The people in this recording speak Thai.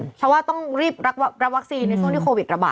เพราะว่าต้องรีบรับวัคซีนในช่วงที่โควิดระบาด